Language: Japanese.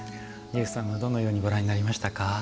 ジェフさんどのようにご覧になりましたか？